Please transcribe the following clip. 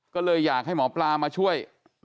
ก็เลยอยากให้หมอปลามาช่วย